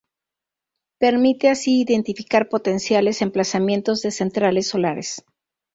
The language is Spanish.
Permite así identificar potenciales emplazamientos de centrales solares.